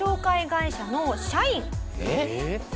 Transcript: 「えっ？」